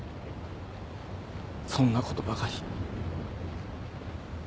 そんなことばかり。